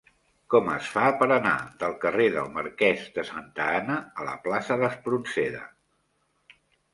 Com es fa per anar del carrer del Marquès de Santa Ana a la plaça d'Espronceda?